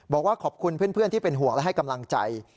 บอกว่าขอบคุณเพื่อนที่เป็นห่วงและให้กำลังใจ